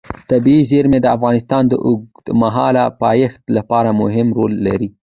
طبیعي زیرمې د افغانستان د اوږدمهاله پایښت لپاره مهم رول لري.